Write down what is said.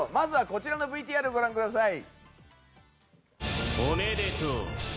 こちらのＶＴＲご覧ください。